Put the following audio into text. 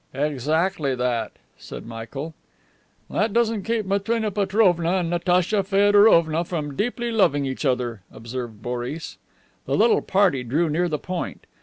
"Exactly that," said Michael. "That doesn't keep Matrena Petrovna and Natacha Feodorovna from deeply loving each other," observed Boris. The little party drew near the "Point."